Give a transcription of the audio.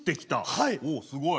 はい。